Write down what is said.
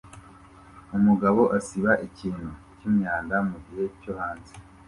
Umugabo asiba ikintu cyimyanda mugihe cyo hanze